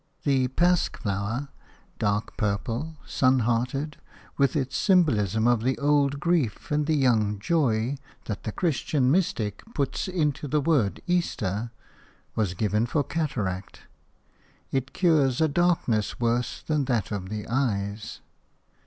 The pasque flower – dark purple, sun hearted, with its symbolism of the old grief and the young joy that the Christian mystic puts into the word Easter – was given for cataract: it cures a darkness worse than that of the eyes.